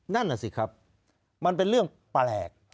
นั่นน่ะสิครับมันเป็นเรื่องแปลก